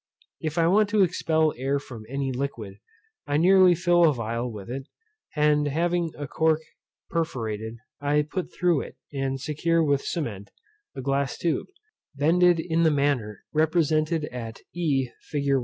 If I want to expel air from any liquid, I nearly fill a phial with it, and having a cork perforated, I put through it, and secure with cement, a glass tube, bended in the manner represented at e fig.